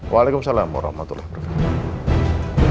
waalaikumsalam warahmatullahi wabarakatuh